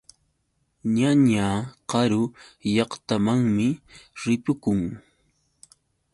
Ñañaa karu llaqtamanmi ripukun.